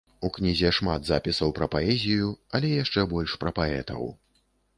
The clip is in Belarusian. У кнізе шмат запісаў пра паэзію, але яшчэ больш пра паэтаў.